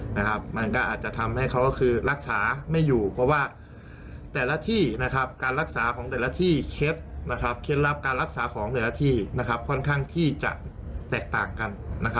มันก็อาจจะทำให้เขาก็คือรักษาไม่อยู่เพราะว่าแต่ละที่การรักษาของแต่ละที่เคล็ดเคล็ดลับการรักษาของแต่ละที่ค่อนข้างที่จะแตกต่างกัน